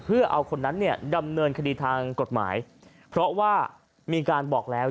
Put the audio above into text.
เพื่อเอาคนนั้นเนี่ยดำเนินคดีทางกฎหมายเพราะว่ามีการบอกแล้ว